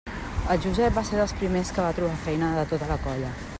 El Josep va ser dels primers que va trobar feina de tota la colla.